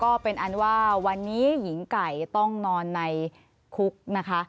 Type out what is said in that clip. ก็เป็นอันว่าวันนี้หญิงไก่ต้องนอนในคุกนะคะ